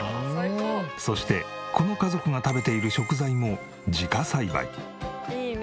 そしてこの家族が食べている食材も自家栽培。